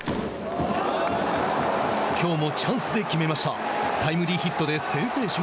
きょうもチャンスで決めました。